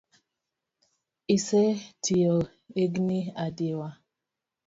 Ise tiyo igni adiwa?